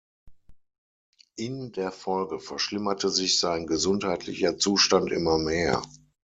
In der Folge verschlimmerte sich sein gesundheitlicher Zustand immer mehr.